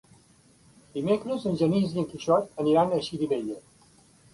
Dimecres en Genís i en Quixot aniran a Xirivella.